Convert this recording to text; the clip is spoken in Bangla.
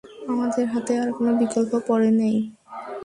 আমাদের হাতে আর কোনো বিকল্প পড়ে নেই!